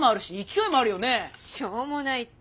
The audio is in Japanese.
「しょうもない」って。